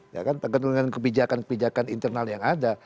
ya kan tergantung dengan kebijakan kebijakan internal yang ada